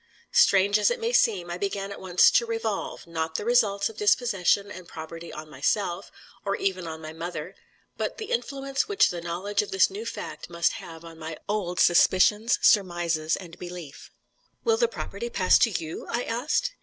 Strange as it may seem, I began at once to revolve, not the results of dispossession and poverty on myself, or even on my mother, but the influence which the knowledge of this new fact must have on my old suspicions, surmises, and belief. "Will the property pass to you?" I asked.